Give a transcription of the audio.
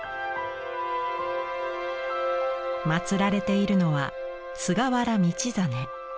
祀られているのは菅原道真。